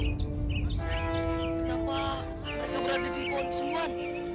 kenapa mereka berada di pohon kesembuhan